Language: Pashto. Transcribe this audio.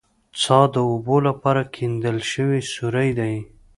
څا د اوبو لپاره کیندل شوی سوری دی